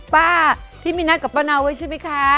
ป้าที่มีนัดกับป้าเนาไว้ใช่ไหมคะ